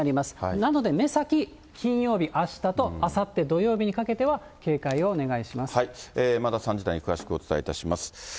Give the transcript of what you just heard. なので、目先、金曜日、あしたとあさって土曜日にかけては警戒をまた、３時台に詳しくお伝えします。